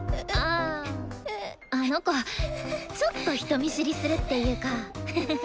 ああの子ちょっと人見知りするっていうか。